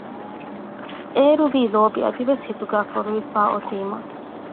އޭރުވީ ލޯބި އަދިވެސް ހިތުގައި ފޮރުވިފައި އޮތީމަ